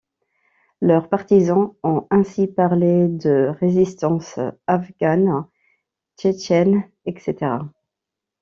Leurs partisans ont ainsi parlé de résistance afghane, tchétchène, etc.